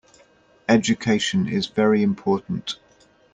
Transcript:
Education is very important.